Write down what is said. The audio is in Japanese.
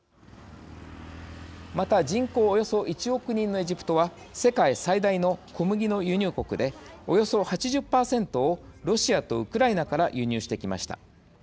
また、人口およそ１億人のエジプトは、世界最大の小麦の輸入国で、およそ８０％をロシアとウクライナから輸入してきました。